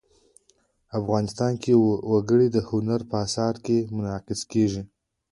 افغانستان کې وګړي د هنر په اثار کې منعکس کېږي.